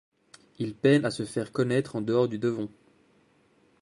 Ils peinent à se faire connaître en dehors du Devon.